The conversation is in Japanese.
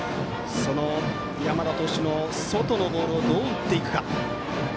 山田投手の外のボールをどう打っていくか。